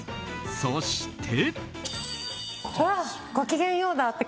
そして。